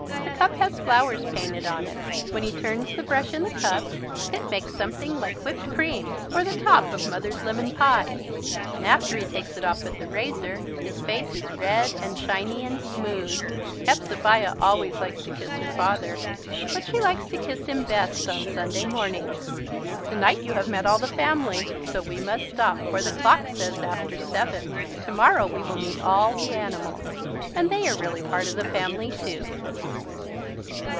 The cup has flowers painted on it. When he turns the brush in the cup it makes something like whipped cream, or the top of mother's lemon pies. And after he takes it off with the razor his face is red and shiny and smooth. Hepzebiah always likes to kiss her father, but she likes to kiss him best on Sunday mornings. Tonight you have met all the family so we must stop for the clock says "after seven." Tomorrow we will meet all the animals and they are really part of the family too.